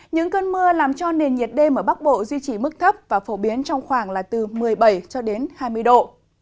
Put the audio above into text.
những cơn mưa làm cho nền nhiệt đêm ở bắc bộ duy trì mức thấp và phổ biến trong khoảng là từ một mươi bảy cho đến hai mươi độ